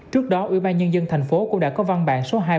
trước đó ủy ban nhân dân thành phố cũng đã có văn hóa